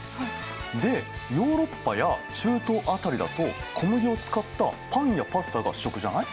でヨーロッパや中東辺りだと小麦を使ったパンやパスタが主食じゃない？